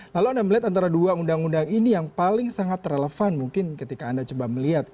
lalu anda melihat antara dua undang undang ini yang paling sangat relevan mungkin ketika anda coba melihat